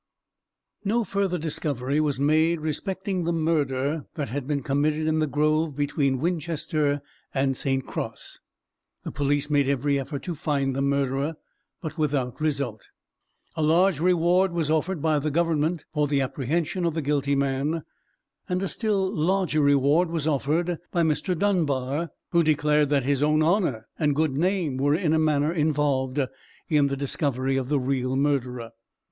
No further discovery was made respecting the murder that had been committed in the grove between Winchester and St. Cross. The police made every effort to find the murderer, but without result. A large reward was offered by the government for the apprehension of the guilty man; and a still larger reward was offered by Mr. Dunbar, who declared that his own honour and good name were in a manner involved in the discovery of the real murderer.